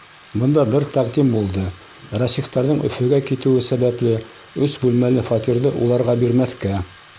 Бында бер тәҡдим булды: Рәсихтәрҙең Өфөгә китеүе сәбәпле өс бүлмәле фатирҙы уларға бирмәҫкә!